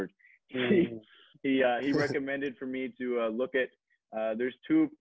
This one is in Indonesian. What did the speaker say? dia rekomendasi untuk saya melihat